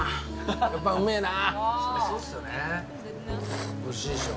やっぱりうめえな。